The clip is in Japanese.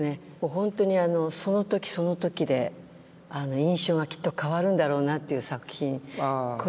ホントにその時その時で印象がきっと変わるんだろうなという作品。